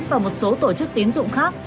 và một số tổ chức tiến dụng khác